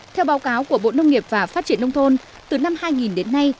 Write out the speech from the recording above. theo báo cáo của bộ nông nghiệp và phát triển nông thôn từ năm hai nghìn đến nay